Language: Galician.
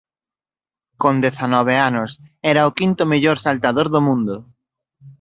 Con dezanove anos era o quinto mellor saltador do mundo.